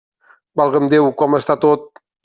Valga'm Déu, com està tot!